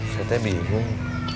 saya teh bingung